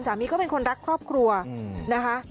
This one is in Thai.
สามีก็เป็นคนรักครอบครัวนะคะ